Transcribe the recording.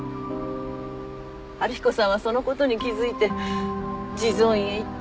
春彦さんはそのことに気付いて地蔵院へ行った。